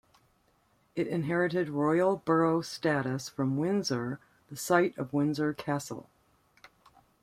It inherited royal borough status from Windsor, the site of Windsor Castle.